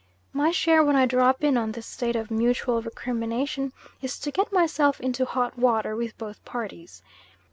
My share when I drop in on this state of mutual recrimination is to get myself into hot water with both parties.